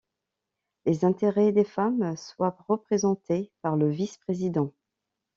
Les intérêts des femmes soient représentés par le vice-président.